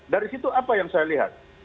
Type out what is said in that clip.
dari situ apa yang saya lihat